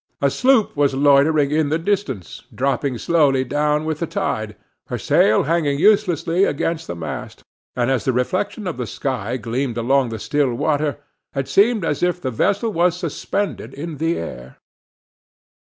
A sloop was loitering in the distance, dropping slowly down with the tide, her sail hanging uselessly against the mast; and as the reflection of the sky gleamed along the still water, it seemed as if the vessel was suspended in the air.